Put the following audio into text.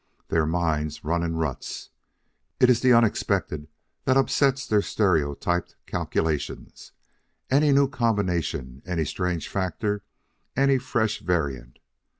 "Their minds run in ruts. It is the unexpected that upsets their stereotyped calculations any new combination, any strange factor, any fresh variant.